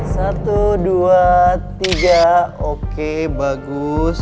satu dua tiga oke bagus